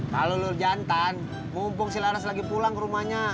kalau lur jantan mumpung si laras lagi pulang ke rumahnya